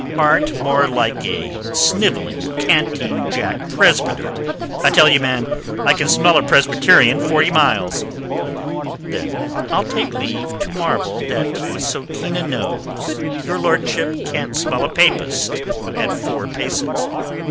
"Art more like a snivelling, canting Jack Presbyter. I tell you, man, I can smell a Presbyterian forty miles." "Then I'll take leave to marvel that with so keen a nose your lordship can't smell a papist at four paces."